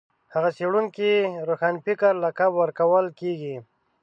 هغه څېړونکي روښانفکر لقب ورکول کېږي